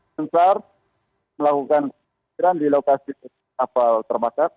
mencar melakukan penyelamatan di lokasi kapal termasat